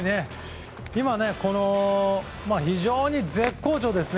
今、非常に絶好調ですね。